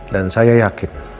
dan saya yakin